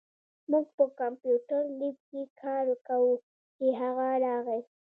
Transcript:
مونږ په کمپیوټر لېب کې کار کوو، چې هغه راغی